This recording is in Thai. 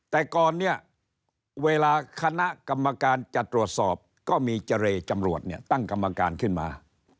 แต่ก่อนเนี่ยเวลาคณะกรรมการจะตรวจสอบก็มีเจรจำรวจเนี่ยตั้งกรรมการขึ้นมา